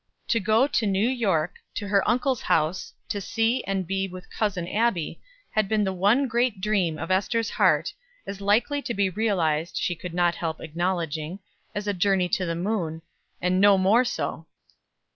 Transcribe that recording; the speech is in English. To go to New York, to her uncle's house, to see and be with Cousin Abbie, had been the one great dream of Ester's heart as likely to be realized, she could not help acknowledging, as a journey to the moon, and no more so.